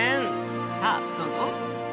さあどうぞ。